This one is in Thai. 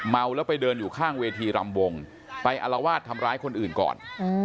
เมาแล้วไปเดินอยู่ข้างเวทีรำวงไปอลวาดทำร้ายคนอื่นก่อน